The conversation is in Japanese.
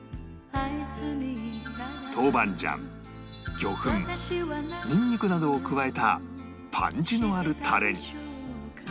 豆板醤魚粉ニンニクなどを加えたパンチのあるタレに